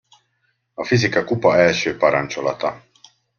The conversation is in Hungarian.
A Fizika Kupa első parancsolata.